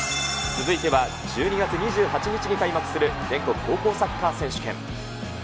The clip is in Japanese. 続いては１２月２８日に開幕する、全国高校サッカー選手権。